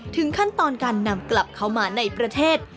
ขั้นตอนการนำกลับเข้ามาในประเทศ